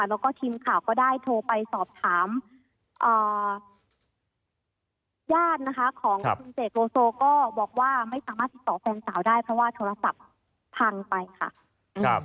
แล้วก็ทีมข่าวก็ได้โทรไปสอบถามญาตินะคะของคุณเสกโลโซก็บอกว่าไม่สามารถติดต่อแฟนสาวได้เพราะว่าโทรศัพท์พังไปค่ะ